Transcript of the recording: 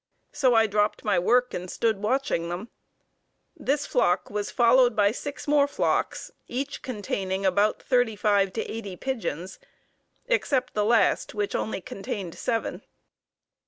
So I dropped my work and stood watching them. This flock was followed by six more flocks, each containing about thirty five to eighty pigeons, except the last, which only contained seven.